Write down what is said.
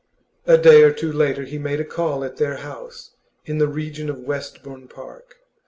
A day or two later he made a call at their house, in the region of Westbourne Park.